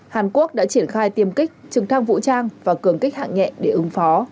hàn quốc đã triển khai tiêm kích trực thăng vũ trang và cường kích hạng nhẹ để ứng phó